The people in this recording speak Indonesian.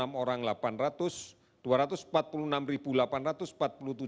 kasus odp yang saat ini terakumulasi dalam catatan